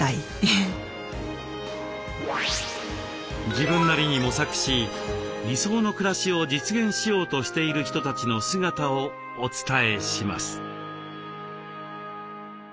自分なりに模索し理想の暮らしを実現しようとしている人たちの姿をお伝えします。